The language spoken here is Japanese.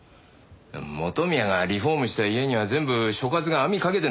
元宮がリフォームした家には全部所轄が網掛けてんだろ？